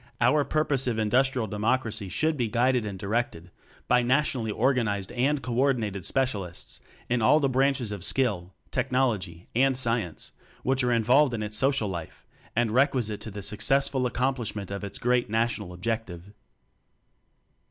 our purpos ive Industrial Democracy should be guided ard directed by nationally or ganized and co ordinated specialists in all the branches of Skill, Technology, and Science which are involved in its Social Life and requisite to the suc cessful accomplishment of its Great National Objective.